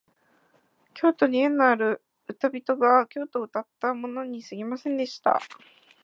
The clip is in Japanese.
京都に縁のある歌人が京都をうたったものにすぎませんでした